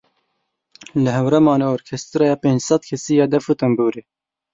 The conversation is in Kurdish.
Li Hewramanê orkestraya pênc sed kesî ya def û tembûrê.